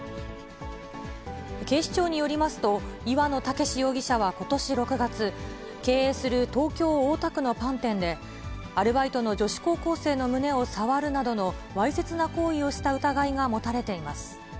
警視庁によりますと、岩野武容疑者はことし６月、経営する東京・大田区のパン店で、アルバイトの女子高校生の胸を触るなどの、わいせつな行為をした疑いが持たれています。